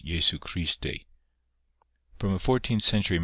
JESU CHRISTI From a fourteenth century MS.